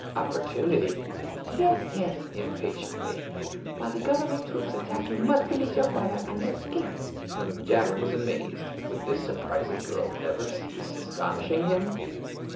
"Opportunity?" "Yes, yes" impatiently. "While the government troops attack, you must release your father and escape." Jack was amazed. Would this surprising girl never cease astonishing him?